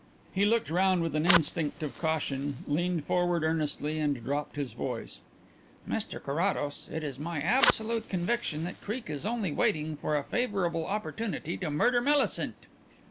He looked round with an instinct of caution, leaned forward earnestly, and dropped his voice. "Mr Carrados, it is my absolute conviction that Creake is only waiting for a favourable opportunity to murder Millicent."